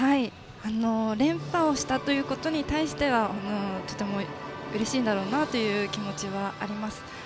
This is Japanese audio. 連覇をしたことに対してはとてもうれしいだろうなという気持ちはあります。